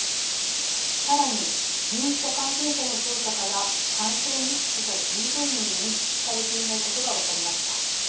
さらに入院した感染者の調査から感染リスクが十分に認識されていないことが分かりました。